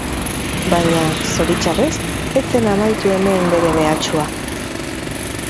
Baina zoritxarrez ez zen amaitu hemen bere mehatxua.